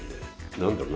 何だろうな。